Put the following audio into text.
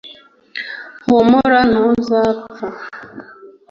humura; ntuzapfa